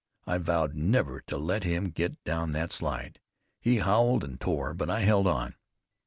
I vowed never to let him get down that slide. He howled and tore, but I held on.